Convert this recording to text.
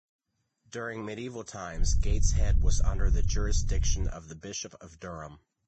During medieval times Gateshead was under the jurisdiction of the Bishop of Durham.